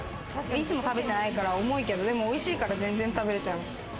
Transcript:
いつも食べてないから重いけど、おいしいから全然食べれちゃう。